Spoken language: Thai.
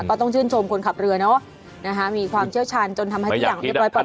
ก็ต้องชื่นชมคนขับเรือเนาะมีความเชื่อชาญจนทำให้ที่อย่างได้ปลอดภัย